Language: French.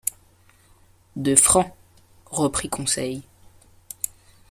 De francs ! reprit Conseil.